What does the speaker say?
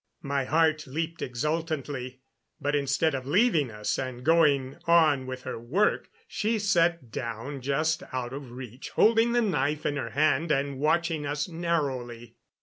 My heart leaped exultantly; but, instead of leaving us and going on with her work, she sat down just out of reach, holding the knife in her hand and watching us narrowly.